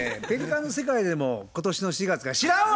ペリカンの世界でも今年の４月から。